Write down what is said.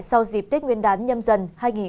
sau dịp tết nguyên đán nhâm dần hai nghìn hai mươi